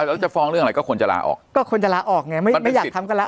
แล้วจะฟ้องเรื่องอะไรก็ควรจะลาออกก็ควรจะลาออกไงไม่ไม่อยากทำกันแล้ว